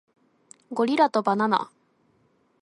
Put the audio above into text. ゴリラとバナナ